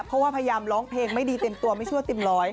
เพราะว่าพยายามร้องเพลงไม่ดีเต็มตัวไม่ชั่วเต็มร้อย